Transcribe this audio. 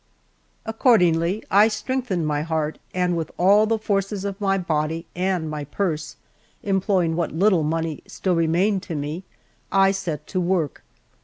Accordingly I strengthened my heart, and with all the forces of my body and my purse, employing what little money still remained to me, I set to work.